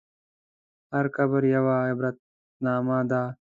هر قبر یوه عبرتنامه ده.